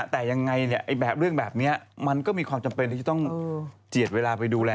แต่ยังไงแบบเรื่องแบบนี้มันก็มีความจำเป็นที่จะต้องเจียดเวลาไปดูแล